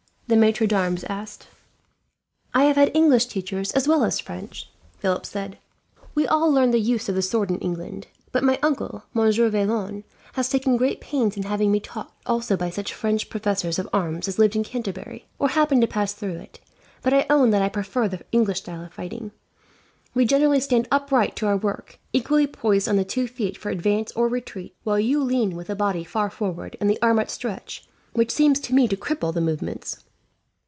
the maitre d'armes asked. "I have had English teachers as well as French," Philip said. "We all learn the use of the sword in England; but my uncle, Monsieur Vaillant, has taken great pains in having me taught also by such French professors of arms as lived in Canterbury, or happened to pass through it; but I own that I prefer the English style of fighting. We generally stand upright to our work, equally poised on the two feet for advance or retreat; while you lean with the body far forward and the arm outstretched, which seems to me to cripple the movements."